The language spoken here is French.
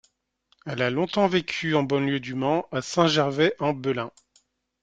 Elle a longtemps vécu en banlieue du Mans, à Saint-Gervais-en-Belin.